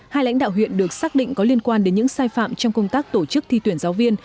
hai lãnh đạo huyện được xác định có liên quan đến những sai phạm trong công tác tổ chức thi tuyển giáo viên